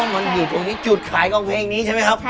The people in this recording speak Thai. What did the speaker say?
มันอยู่ตรงนี้จุดขายของเพลงนี้ใช่ไหมครับ